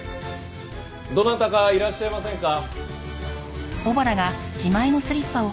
どなたかいらっしゃいませんか？